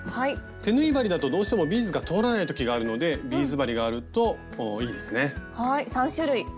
手縫い針だとどうしてもビーズが通らない時があるのでビーズ針があるといいですね。